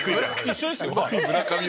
一緒ですよ。